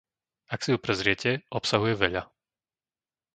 Ak si ju prezriete, obsahuje veľa.